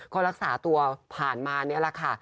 ก็รักษาตัวผ่านมานี่แหละค่ะ